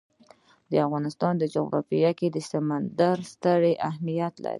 د افغانستان جغرافیه کې سیندونه ستر اهمیت لري.